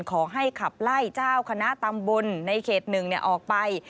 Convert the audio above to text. ขอให้ขับไล่เจ้าคณะตำบลในเขต๑ออกไป